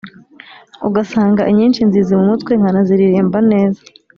ugasanga inyinshi nzizi mu mutwe, nkanaziririmba neza.